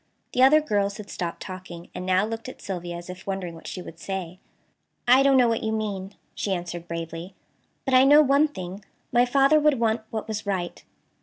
The other girls had stopped talking, and now looked at Sylvia as if wondering what she would say. "I don't know what you mean," she answered bravely, "but I know one thing: my father would want what was right."